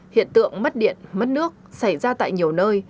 hiện tượng mất điện mất nước xảy ra tại nhiều nơi